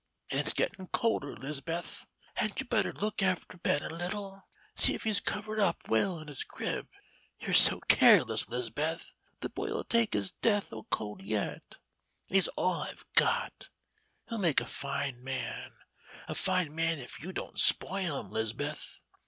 "And it's gettin' colder, 'Lis'beth. Hadn't you better look after Ben a little? See if he's covered up well in his crib. You're so careless, 'Lis'beth, the boy'll take his death o' cold yet. And he's all I've got. He'll make a fine man, a fine man if you don't spoil him, 'Lis'beth.